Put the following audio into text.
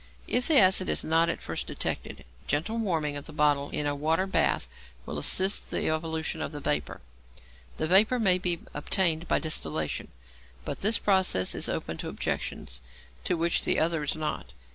If the acid is not at first detected, gentle warming of the bottle in a water bath will assist the evolution of the vapour. The vapour may be obtained by distillation, but this process is open to objections to which the other is not.